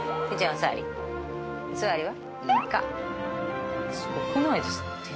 お座りは？